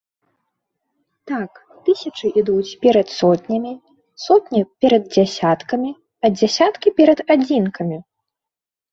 Так, тысячы ідуць перад сотнямі, сотні перад дзясяткамі, а дзясяткі перад адзінкамі.